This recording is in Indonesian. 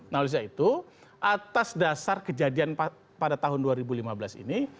nah oleh sebab itu atas dasar kejadian pada tahun dua ribu lima belas ini